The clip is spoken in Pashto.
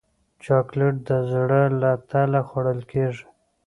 چاکلېټ د زړه له تله خوړل کېږي.